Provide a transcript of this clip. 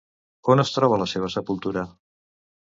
On es troba la seva sepultura?